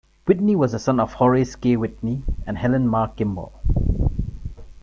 Whitney was the son of Horace K. Whitney and Helen Mar Kimball.